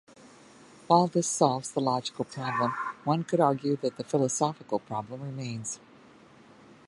While this solves the logical problem, one could argue that the philosophical problem remains.